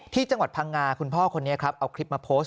ที่จังหวัดพังงาคุณพ่อคนนี้ครับเอาคลิปมาโพสต์